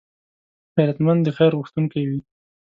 غیرتمند د خیر غوښتونکی وي